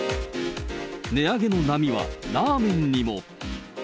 値上げの波はラーメンにも。